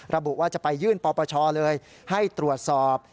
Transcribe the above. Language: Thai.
ระบุว่าจะไปยื่นปปชเลยให้ตรวจสอบ